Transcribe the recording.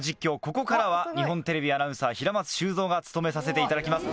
ここからは日本テレビアナウンサー平松修造が務めさせていただきます